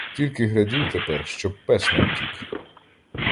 Тільки глядіть тепер, щоб пес не втік!